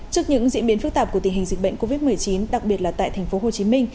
trước những diễn biến phức tạp của tình hình dịch bệnh covid một mươi chín đặc biệt là tại tp hcm